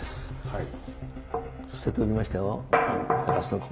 はい。